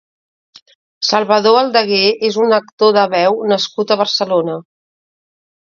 Salvador Aldeguer és un actor de veu nascut a Barcelona.